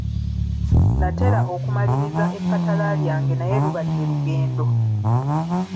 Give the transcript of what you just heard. Natera okumaliriza ekkatala lyange naye lubadde lugendo!